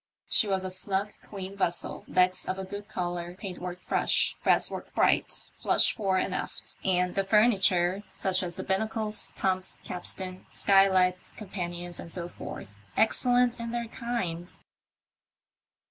She was a snug, clean vessel, decks of a good colour, paintwork fresh, brasswork bright, flush fore and aft, and the furniture — such as the binnacles, pumps, capstan, skylights, companions, and so forth — excellent in their kind.